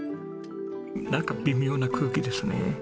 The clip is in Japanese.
なんか微妙な空気ですね。